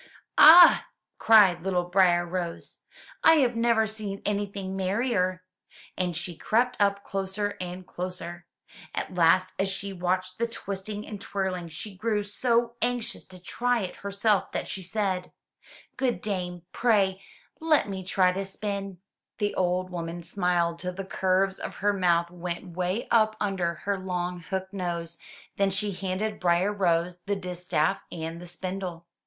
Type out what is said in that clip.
"Ah!" cried little Briar rose, "I have never seen anything merrier!" And she crept up closer and closer. At last, as she watched the twisting and twirling, she grew so anxious to try it herself that she said, "Good dame, pray let me try to spin." 2^ MY BOOK HOUSE The old woman smiled till the curves of her mouth went way up under her long hook nose, then she handed Briar rose the distaff and the spindle.